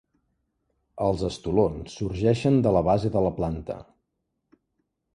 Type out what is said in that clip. Els estolons sorgeixen de la base de la planta.